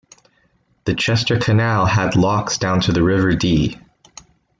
The Chester Canal had locks down to the River Dee.